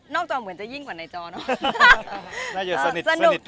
จอเหมือนจะยิ่งกว่าในจอเนอะ